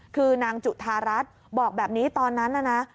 คือนางจุธารัฐบอกแบบนี้ตอนนั้นน่ะนะ